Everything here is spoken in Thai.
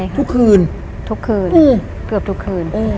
คุณลุงที่เตียงของคุณป้าทุกคืน